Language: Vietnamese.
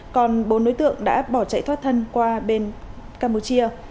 còn bốn đối tượng đã bỏ chạy thoát thân qua bên campuchia